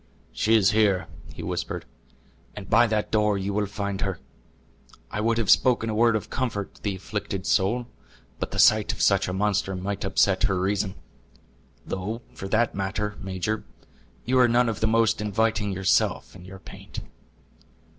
"She is here," he whispered, "and by that door you will find her. I would have spoken a word of comfort to the afflicted soul; but the sight of such a monster might upset her reason. Though for that matter, major, you are none of the most inviting yourself in your paint."